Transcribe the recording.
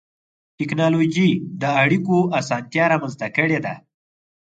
ټکنالوجي د اړیکو اسانتیا رامنځته کړې ده.